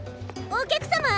お客様！